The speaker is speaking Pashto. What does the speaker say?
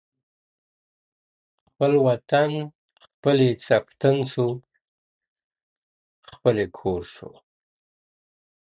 خپل وطن خپل یې څښتن سو خپل یې کور سو!!